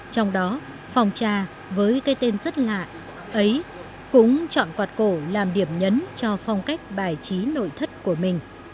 trong đó phòng trà với cái tên rất lạ ấy cũng chọn quạt cổ làm điểm nhấn cho phong cách bài trí nội thất của mình